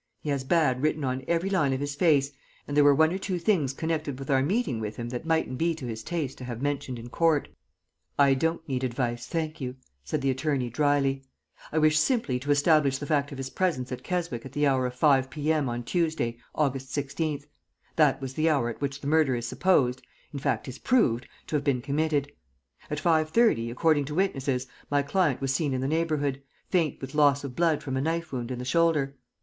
He has bad written on every line of his face, and there were one or two things connected with our meeting with him that mightn't be to his taste to have mentioned in court." "I don't need advice, thank you," said the attorney, dryly. "I wish simply to establish the fact of his presence at Keswick at the hour of 5 P.M. on Tuesday, August 16th. That was the hour at which the murder is supposed in fact, is proved to have been committed. At 5.30, according to witnesses, my client was seen in the neighborhood, faint with loss of blood from a knife wound in the shoulder.